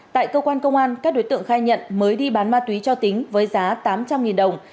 tại cơ quan công an các đối tượng khai nhận mới đi bán ma túy cho tính với giá tám trăm linh đồng